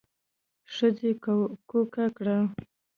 ښځې کوکه کړه.